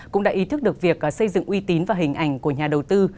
cũng đã ý thức được việc xây dựng uy tín và hình ảnh của nhà đầu tư